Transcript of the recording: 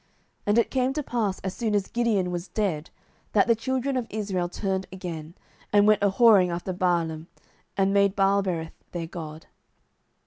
07:008:033 And it came to pass, as soon as Gideon was dead, that the children of Israel turned again, and went a whoring after Baalim, and made Baalberith their god.